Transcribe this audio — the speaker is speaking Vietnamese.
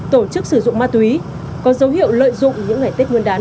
tổ chức sử dụng ma túy có dấu hiệu lợi dụng những ngày tết nguyên đán